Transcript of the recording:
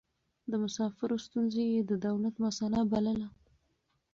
د مسافرو ستونزې يې د دولت مسئله بلله.